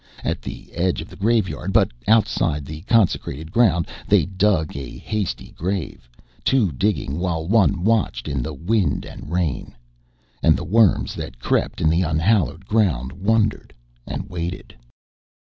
At the edge of the graveyard, but outside the consecrated ground, they dug a hasty grave, two digging while one watched in the wind and rain. And the worms that crept in the unhallowed ground wondered and waited.